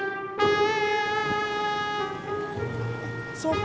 bapak saya mau ke sini lagi